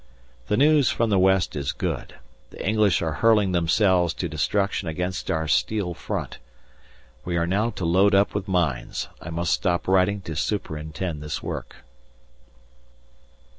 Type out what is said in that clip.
The news from the West is good, the English are hurling themselves to destruction against our steel front. We are now to load up with mines. I must stop writing to superintend this work.